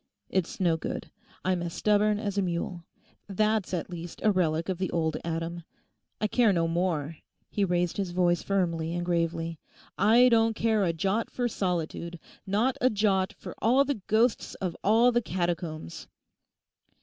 It's no good; I'm as stubborn as a mule; that's at least a relic of the old Adam. I care no more,' he raised his voice firmly and gravely—'I don't care a jot for solitude, not a jot for all the ghosts of all the catacombs!